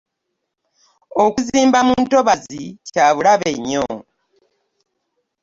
Okuzimba mu ntobazzi kya bulabe nnyo.